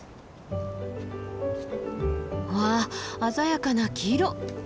わあ鮮やかな黄色。